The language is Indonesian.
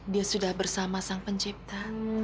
dia sudah bersama sang pencipta